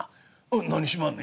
「何しまんねん？」。